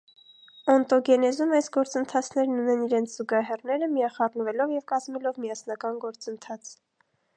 Օնտոգենեզում այս գործընթացներն ունեն իրենց զուգահեռները՝ միախառվելով և կազմելով միասնական գործընթաց։